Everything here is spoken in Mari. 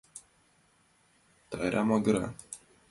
Тайра магыра.